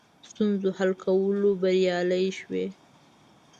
ستونزو حل کولو بریالي شوي.